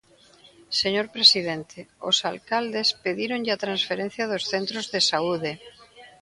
Señor presidente, os alcaldes pedíronlle a transferencia dos centros de saúde.